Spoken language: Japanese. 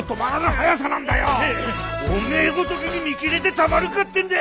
おめえごときに見切れてたまるかってんだ！